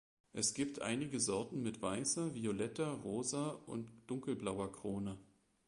Es gibt einige Sorten mit weißer, violetter, rosa und dunkelblauer Krone.